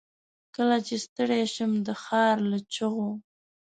کله چې ستړی شم، دښارله چیغو